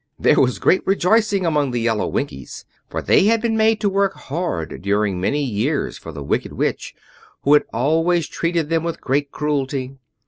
There was great rejoicing among the yellow Winkies, for they had been made to work hard during many years for the Wicked Witch, who had always treated them with great cruelty.